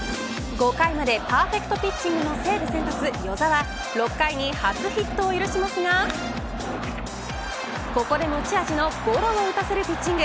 ５回までパーフェクトピッチングの西武先発、與座は６回に初ヒットを許しますがここで持ち味のゴロを打たせるピッチング。